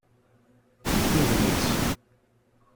Ssuden-itt.